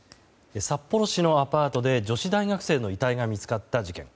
札幌市のアパートで女子大学生の遺体が見つかった事件。